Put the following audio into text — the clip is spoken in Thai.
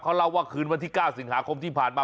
เขาเล่าว่าคืนวันที่๙สิงหาคมที่ผ่านมา